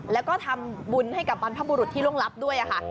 แล้วก็ทำบุญให้กับวันพระบุรุษที่ร่วงรับด้วยอ่ะค่ะ